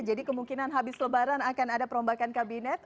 jadi kemungkinan habis lebaran akan ada perombakan kabinet